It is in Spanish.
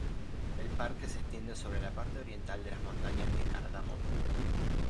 El parque se extiende sobre la parte oriental de las montañas de Cardamomo.